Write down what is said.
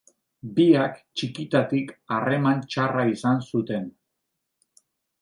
Biak, txikitatik, harreman txarra izan zuten.